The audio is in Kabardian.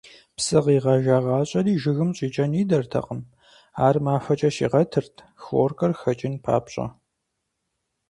Псы къигъэжагъащӀэри жыгым щӀикӀэн идэртэкъым, ар махуэкӀэ щигъэтырт, хлоркэр хэкӀын папщӀэ.